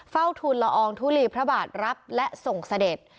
เฝ้าทุนละอองทุลีพระบาทรับและส่งเสด็จ